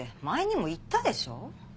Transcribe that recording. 前にも言ったでしょ？